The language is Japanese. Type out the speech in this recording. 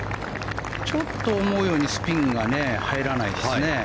ちょっと、思うようにスピンが入らないですね。